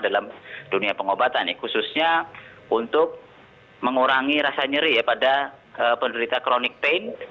dalam dunia pengobatan khususnya untuk mengurangi rasa nyeri pada penderita chronic pain